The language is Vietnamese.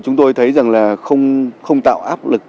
chúng tôi thấy rằng là không tạo áp lực